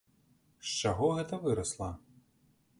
З чаго гэта вырасла?